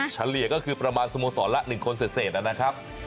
เฉลี่ยก็คือประมาณสโมสรละ๑คนเศษนะครับ